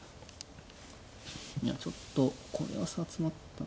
いやちょっとこれは差詰まった。